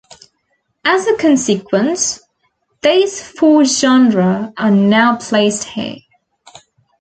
As a consequence, these four genera are now placed here.